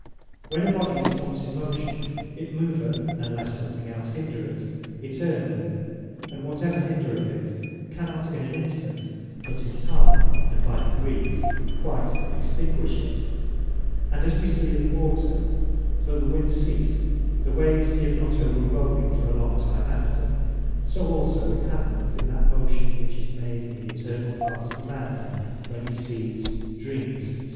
When a Body is once in motion, it moveth (unless something els hinder it) eternally; and whatsoever hindreth it, cannot in an instant, but in time, and by degrees quite extinguish it: And as wee see in the water, though the wind cease, the waves give not over rowling for a long time after; so also it happeneth in that motion, which is made in the internall parts of a man, then, when he Sees, Dreams, &c.